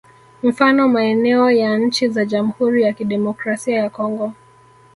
Mfano maeneo ya nchi za Jamhuri ya Kidemokrasia ya Congo